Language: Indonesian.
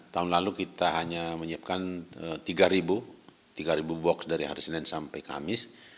tahun lalu kita hanya menyiapkan tiga ribu box dari hari senin sampai kamis